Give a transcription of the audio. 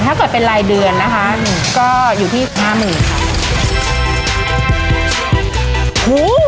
ถ้ากดเป็นรายเดือนนะคะก็อยู่ที่ห้าหมื่นค่ะ